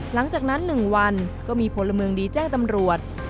หลังจากนั้น๑วันก็มีพลเมืองดีแจ้งตำรวจ